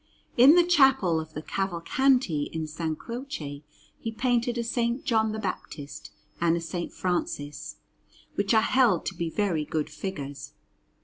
In the Chapel of the Cavalcanti in S. Croce he painted a S. John the Baptist and a S. Francis, which are held to be very good figures.